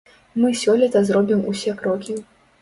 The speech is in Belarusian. Мы сёлета зробім усе крокі.